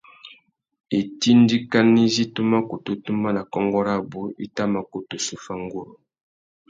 Itindikana izí tu mà kutu tumba nà kônkô rabú i tà mà kutu zu fá nguru.